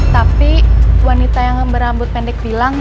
tapi wanita yang berambut pendek bilang